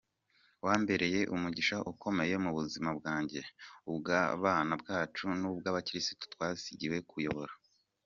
Wambereye umugisha ukomeye mu buzima bwanjye, ubw’abana bacu n’ubw’abakirisitu twasigiwe kuyobora.